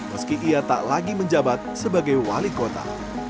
meski ia tak lagi menjabat sebagai wali kota